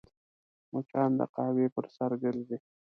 مچان د قهوې پر سر ګرځي